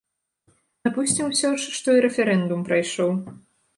Дапусцім усё ж, што і рэферэндум прайшоў.